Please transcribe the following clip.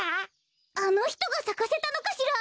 あのひとがさかせたのかしら？